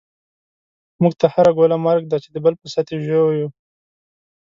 موږ ته هره ګوله مرګ دی، چی دبل په ست یی ژوویو